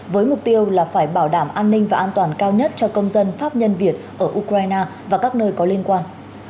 với mục tiêu là phải bảo đảm an ninh và an toàn cao nhất cho công dân pháp nhân việt ở ukraine và các nơi có liên quan